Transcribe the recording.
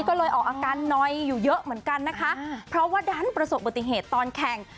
ก็เลยออกอาการนอยอยู่เยอะเหมือนกันนะคะเพราะว่าดันประสบปฏิเหตุตอนแข่ง